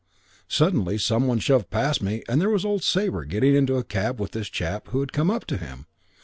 Suddenly some one shoved past me and there was old Sabre getting into the cab with this chap who had come up to him.